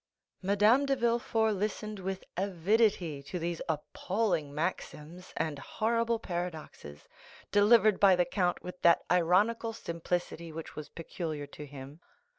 Madame de Villefort listened with avidity to these appalling maxims and horrible paradoxes, delivered by the count with that ironical simplicity which was peculiar to him.